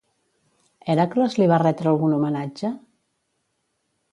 Hèracles li va retre algun homenatge?